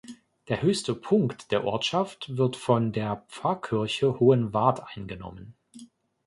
Der höchste Punkt der Ortschaft wird von der Pfarrkirche Hohenwarth eingenommen.